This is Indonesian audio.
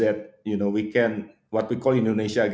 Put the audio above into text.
apa yang kita sebutkan di indonesia